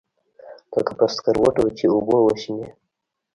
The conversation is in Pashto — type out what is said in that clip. لکه پر سکروټو چې اوبه وشيندې.